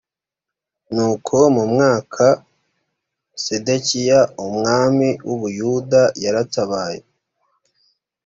nuko mu mwaka sedekiya umwami w u buyuda yaratabaye